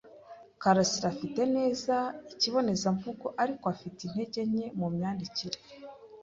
Karasiraafite neza ikibonezamvugo, ariko afite intege nke mu myandikire.